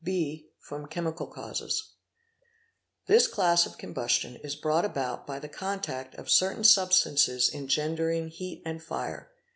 | B. From Chemical causes, This class of combustion is brought about by the contact of certain ; substances engendering heat and fire.